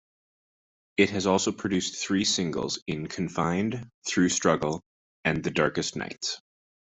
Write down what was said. It has also produced three singles in "Confined," "Through Struggle" and "The Darkest Nights.